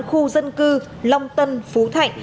khu dân cư long tân phú thạnh